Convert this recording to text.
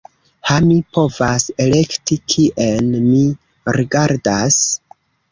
Ha mi povas elekti kien mi rigardas.